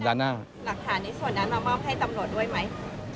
หลักฐานในส่วนนั้นมามอบให้ตำรวจด้วยไหม